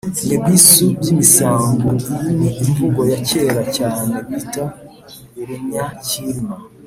Ny’ebisu by’emisango: iyi ni imvugo ya kera cyane bita urunya Cyilima.